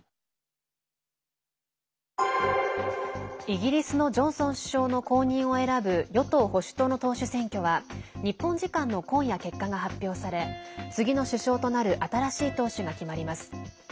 イギリスのジョンソン首相の後任を選ぶ与党・保守党の党首選挙は日本時間の今夜、結果が発表され次の首相となる新しい党首が決まります。